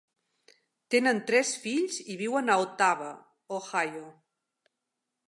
Tenen tres fills i viuen a Ottawa (Ohio).